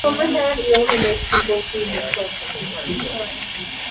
El pueblo está enclavado en un valle rodeado por bosques de castaños.